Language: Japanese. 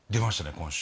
今週。